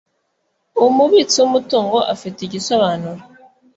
Umubitsi w’umutungo afite igisobanuro